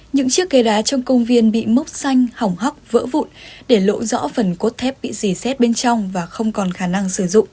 những chiếc ghế đá trong công viên bị mốc xanh hỏng hóc vỡ vụn để lộ rõ phần cốt thép bị dì xét bên trong và không còn khả năng sử dụng